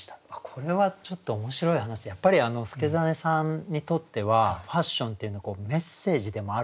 これはちょっと面白い話でやっぱり祐真さんにとってはファッションっていうのはメッセージでもあるわけですね。